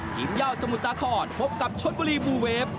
ยอดสมุทรสาครพบกับชนบุรีบูเวฟ